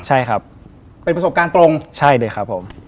ใช่ครับเป็นประสบการณ์ตรงใช่เลยครับผม